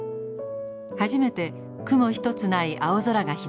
初めて雲一つない青空が広がりました。